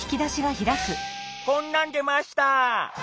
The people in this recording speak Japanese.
こんなん出ました。